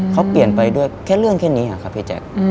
เขาเปลี่ยนไปด้วยแค่เรื่องแค่นี้ครับพี่แจ๊ค